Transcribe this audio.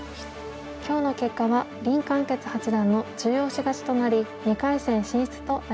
今日の結果は林漢傑八段の中押し勝ちとなり２回戦進出となりました。